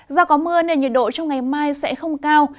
do có mưa nên nhiệt độ trong ngày mai sẽ không cao